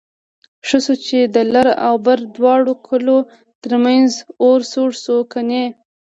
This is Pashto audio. ښه شو چې د لر او بر دواړو کلو ترمنځ اور سوړ شو کني...